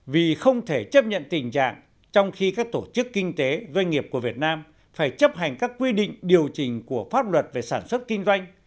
vì không thể chấp nhận tình trạng trong khi các tổ chức kinh tế doanh nghiệp của việt nam phải chấp hành các quy định điều chỉnh của pháp luật về sản xuất kinh doanh